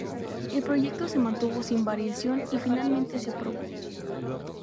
El proyecto se mantuvo sin variación y finalmente se aprobó.